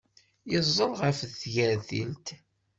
Yeẓẓel ɣef tgertilt.